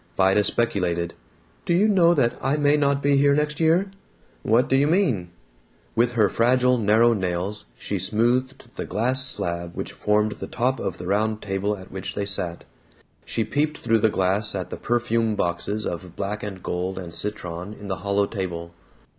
Vida speculated, "Do you know that I may not be here next year?" "What do you mean?" With her fragile narrow nails she smoothed the glass slab which formed the top of the round table at which they sat. She peeped through the glass at the perfume boxes of black and gold and citron in the hollow table.